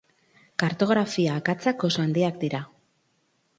Kartografia akatsak oso handiak dira.